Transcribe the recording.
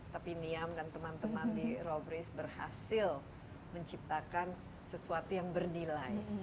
tapi niam dan teman teman di robris berhasil menciptakan sesuatu yang bernilai